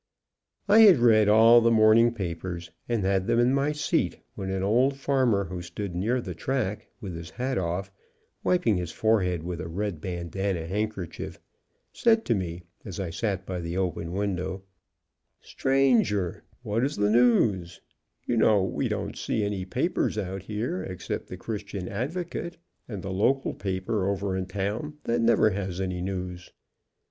I had read all the morning papers and had them in my seat, when an old farmer who stood near the track, with his hat off, wiping his forehead wifh a red bandana hand kerchief, said to me, as I sat by the open window: 'Stranger, what is the news, you know we don't see any papers out here except the Christian Advocate, and the local paper over in town that never has any i66 news.'